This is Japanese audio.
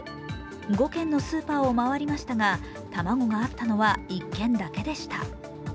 ５軒のスーパーを回りましたが卵があったのは１軒だけでした、。